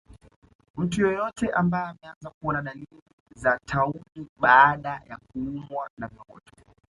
Mtu yeyote ambaye ameanza kuona dalili za tauni baada ya kuumwa na viroboto